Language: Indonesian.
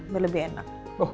biar lebih enak